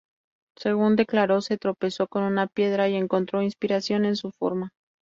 Según declaró, se tropezó con una piedra y encontró inspiración en su forma.